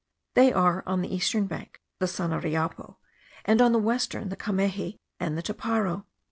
There are, on the eastern bank, the Sanariapo, and on the western, the Cameji and the Toparo.